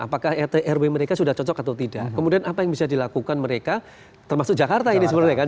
apakah rt rw mereka sudah cocok atau tidak kemudian apa yang bisa dilakukan mereka termasuk jakarta ini sebenarnya kan